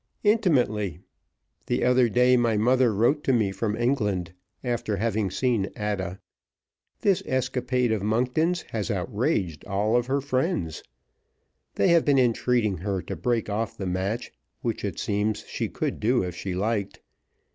"Intimately. The other day my mother wrote to me from England, after having seen Ada. This escapade of Monkton's has outraged all her friends. They have been entreating her to break off the match, which it seems she could do if she liked.